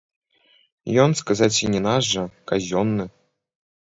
Ён, сказаць, і не наш жа, казённы.